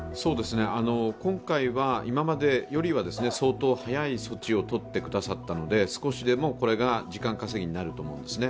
今回は、今までよりは相当、早い措置を取ってくださったので少しでもこれが時間稼ぎになると思うんですね。